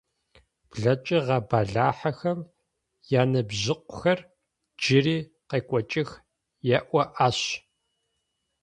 Блэкӏыгъэ бэлахьэхэм яныбжьыкъухэр джыри къекӏокӏых еӏо ащ.